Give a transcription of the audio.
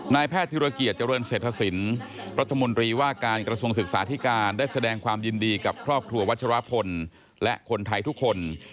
นายแพทย์ธิรเกียจเจริญเศรษฐศิลป์รัฐมนตรีว่าการกระทรวงศึกษาธิการได้แสดงความยินดีกับครอบครัววัชรพลและคนไทยทุกคน